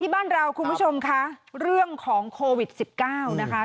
บ้านเราคุณผู้ชมค่ะเรื่องของโควิด๑๙นะคะ